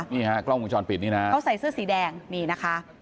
นี่ฮะกล้องวงจรปิดนี่นะเขาใส่เสื้อสีแดงนี่นะคะ